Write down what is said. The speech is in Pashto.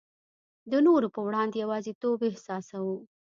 د نورو په وړاندي یوازیتوب احساسوو.